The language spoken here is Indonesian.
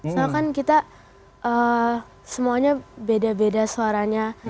soal kan kita semuanya beda beda suaranya